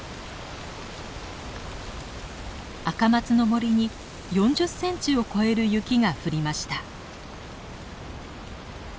アカマツの森に４０センチを超える雪が降りました。